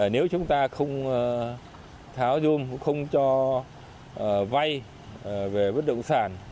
nếu chúng ta không tháo dung không cho vay về bất đồng sản